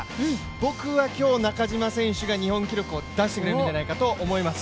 僕は今日、中島選手が日本記録を出してくれるんじゃないかと思います。